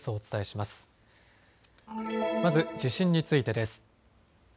まず地震についてです。